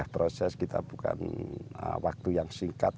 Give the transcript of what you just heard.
proses kita bukan waktu yang singkat